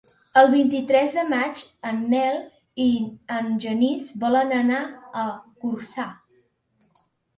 El vint-i-tres de maig en Nel i en Genís volen anar a Corçà.